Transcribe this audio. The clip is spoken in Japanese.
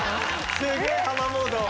すげぇハマモード。